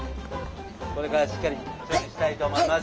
これからしっかり調理したいと思います。